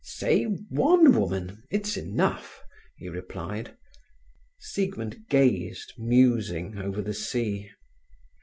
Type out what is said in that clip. "Say one woman; it's enough," he replied. Siegmund gazed, musing, over the sea.